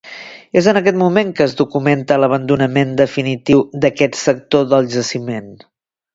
És en aquest moment que es documenta l'abandonament definitiu d'aquest sector del jaciment.